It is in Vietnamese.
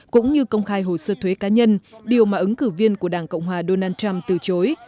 cũng như công khai hồ sơ thuế cá nhân điều mà ứng cử viên của đảng cộng hòa donald trump từ chối